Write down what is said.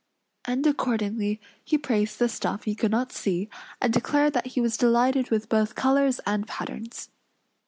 And accordingly he praised the stuff he could not see, and declared that he was delighted with both colors and patterns.